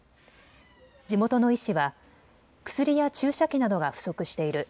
地元の医師は薬や注射器などが不足している。